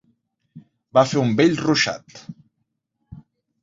Va fer un bell ruixat.